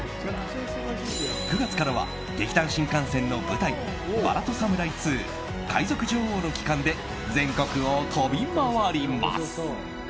９月からは劇団☆新感線の舞台「薔薇とサムライ２‐海賊女王の帰還‐」で全国を飛び回ります。